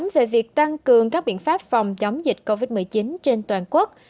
về việc tăng cường các biện pháp phòng chống dịch covid một mươi chín trên toàn quốc